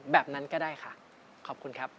แบบนั้นก็ได้ค่ะขอบคุณครับ